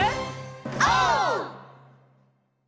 オー！